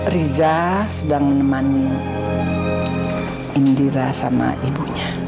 riza sedang menemani indira sama ibunya